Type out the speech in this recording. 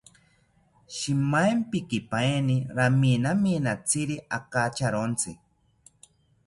Shimaempikipaeni raminaminatziri akacharontzi